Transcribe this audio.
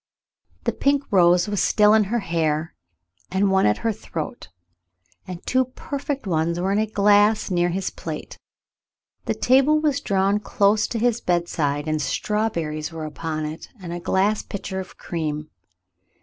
The pink rose was still in her hair, and one at her throat, and two perfect ones were in a glass near his plate. The table was drawn close to his bedside, and strawberries w'ere upon it, and a glass pitcher of cream.